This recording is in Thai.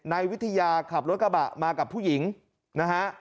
นายวิทยาขับรถกระบะมากับผู้หญิงนะฮะ